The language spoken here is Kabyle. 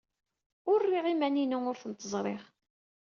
Ur rriɣ iman-inu ur tent-ẓriɣ.